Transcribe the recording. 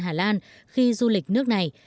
hà lan khi du lịch nước này